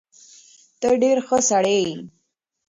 ته ډېر ښه سړی یې.